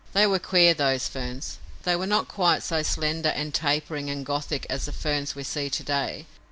They were queer, those ferns. They were not quite so slender and tapering and gothic as the ferns we see to day.